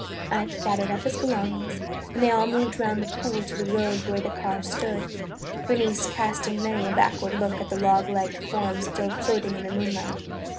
Ike gathered up his belongings and they all moved round the pool to the road where the car stood, Bernice casting many a backward look at the log like form still floating in the moonlight.